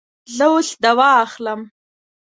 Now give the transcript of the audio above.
زه اوس دوا اخلم